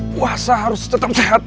puasa harus tetap sehat